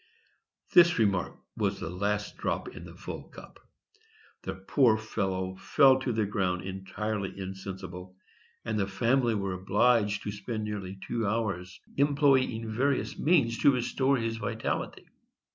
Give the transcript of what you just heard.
This remark was the last drop in the full cup. The poor fellow fell to the ground entirely insensible, and the family were obliged to spend nearly two hours employing various means to restore his vitality.